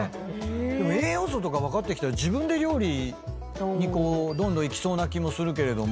でも栄養素とか分かってきたら自分で料理にどんどんいきそうな気もするけれども。